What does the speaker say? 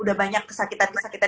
udah banyak kesakitan kesakitan